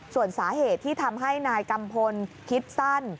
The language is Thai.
ส่วนสาเหตุที่ทำให้นายกัมพลคิดสั้น